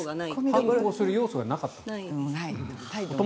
反抗する要素がなかったと。